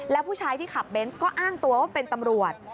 แล้วผู้ชายที่ขับเบนส์ก็อ้างตัวว่าเป็นตำรวจ